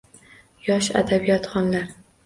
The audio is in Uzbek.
Yosh adabiyotxonlar